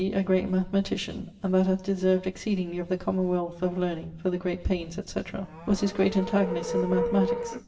a great mathematician, and that hath deserved exceedingly of the commonwealth of learning for the great paines etc...., was his great antagonist in the Mathematiques.